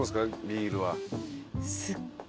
ビールは。